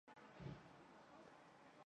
乾隆十年进士。